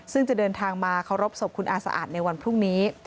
ซึ่งจะเดินทางมาเคารพศพคุณอาสะอาดในวันพรุ่งนี้